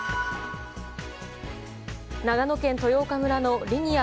長野県豊丘村のリニア